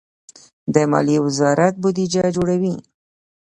مالیې وزارت بودجه جوړوي